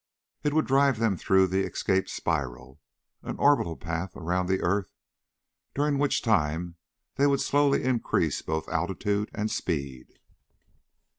It would drive them through the escape spiral an orbital path around the earth during which time they would slowly increase both altitude and speed.